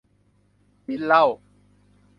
กินเหล้า